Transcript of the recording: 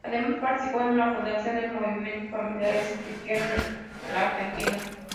Además participó en la fundación del Movimiento Familiar Cristiano en la Argentina.